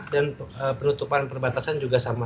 dan penutupan perbatasan juga sama